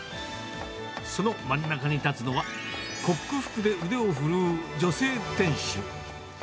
その真ん中に立つのは、コック服で腕を振るう女性店主。